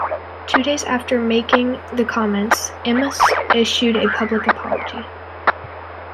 Two days after making the comments, Imus issued a public apology.